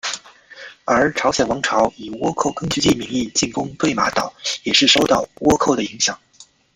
而朝鲜王朝以倭寇根据地名义进攻对马岛也是受到倭寇的影响。